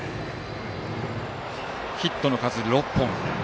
ヒットの数は６本。